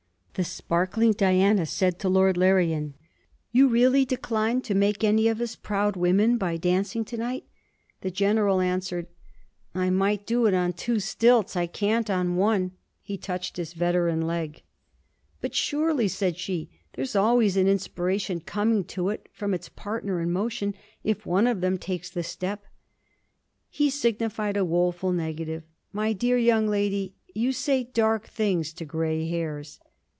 The sparkling Diana said to Lord Larrian, 'You really decline to make any of us proud women by dancing to night?' The General answered: 'I might do it on two stilts; I can't on one.' He touched his veteran leg. 'But surely,' said she, 'there's always an inspiration coming to it from its partner in motion, if one of them takes the step.' He signified a woeful negative. 'My dear young lady, you say dark things to grey hairs!'